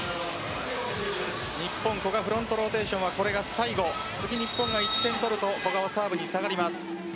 日本、古賀フロントローテーションはこれが最後次、日本が１点取ると古賀はサーブに下がります。